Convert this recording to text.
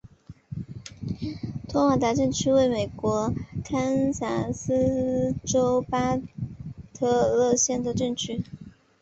托旺达镇区为位在美国堪萨斯州巴特勒县的镇区。